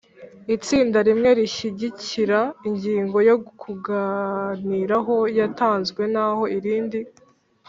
Itsinda rimwe rishyigikira ingingo yo kuganiraho yatanzwe naho irindi